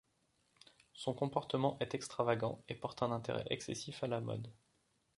Son comportement est extravagant et porte un intérêt excessif à la mode.